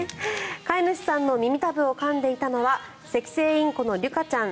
飼い主さんの耳たぶをかんでいたのはセキセイインコのりゅかちゃん